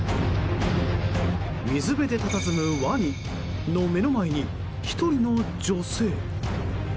水辺でたたずむワニの目の前に１人の女性。